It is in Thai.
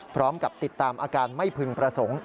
พร้อมกับติดตามอาการไม่พึงประสงค์